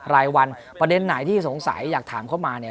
รายวันประเด็นไหนที่สงสัยอยากถามเข้ามาเนี่ย